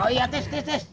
oh iya tis tis tis